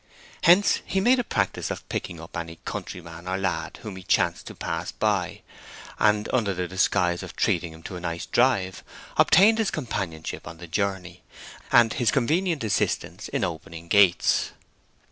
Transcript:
Hence he made a practice of picking up any countryman or lad whom he chanced to pass by, and under the disguise of treating him to a nice drive, obtained his companionship on the journey, and his convenient assistance in opening gates.